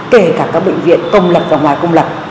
kể cả các bệnh viện công lập và ngoài công lập